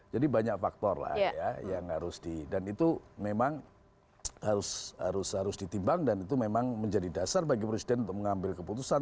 jadi banyak faktor lah ya yang harus di dan itu memang harus ditimbang dan itu memang menjadi dasar bagi presiden untuk mengambil keputusan